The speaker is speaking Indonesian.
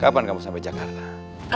kapan kamu sampai jakarta